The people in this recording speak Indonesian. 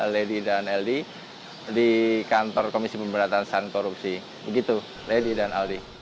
lady dan aldi di kantor komisi pemberantasan korupsi begitu lady dan aldi